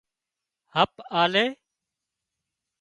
هپ آلي